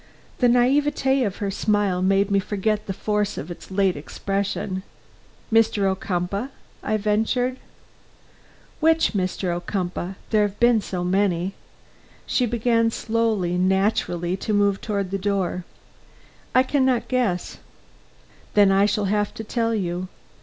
The naïveté of her smile made me forget the force of its late expression. "Mr. Ocumpaugh?" I ventured. "Which Mr. Ocumpaugh? There have been so many." She began slowly, naturally, to move toward the door. "I can not guess." "Then I shall have to tell you.